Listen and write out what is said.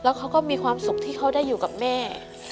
เขาก็มีความสุขที่เขาได้อยู่กับแม่